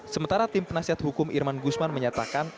sementara tim penasihat hukum irman gusman menyatakan